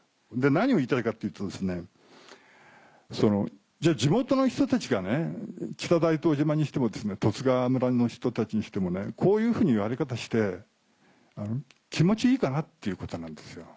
何を言いたいかっていうとですねじゃあ地元の人たちが北大東島にしても十津川村の人たちにしてもこういうふうな言われ方して気持ちいいかなっていうことなんですよ。